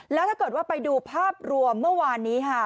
แล้วถ้าเกิดว่าไปดูภาพรวมเมื่อวานนี้ค่ะ